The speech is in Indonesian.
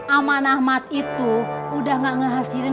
aman ahmad itu udah gak ngehasilin